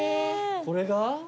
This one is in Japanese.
これが？